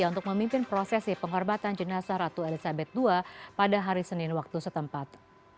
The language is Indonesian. untuk memimpin prosesi penghormatan jenazah ratu elizabeth ii pada hari senin waktu setempat